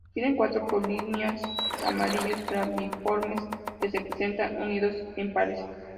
Tiene cuatro Polinias, amarillos, claviformes, que se presentan unidos en pares.